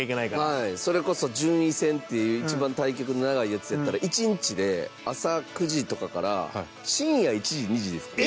高橋：それこそ、順位戦っていう一番対局の長いやつやったら１日で、朝９時とかから深夜１時、２時ですから。